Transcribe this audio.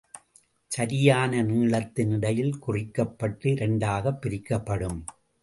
சரியான நீளத்தின் இடையில் குறிக்கப்பட்டு இரண்டாகப் பிரிக்கப்படும்.